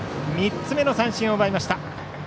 ３つ目の三振を奪いました。